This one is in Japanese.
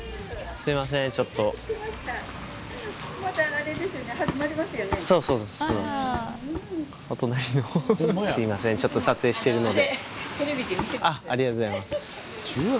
すいませんちょっと撮影してるので。